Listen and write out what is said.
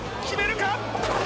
決めるか！